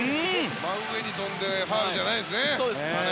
真上に跳んでファウルじゃないですしね。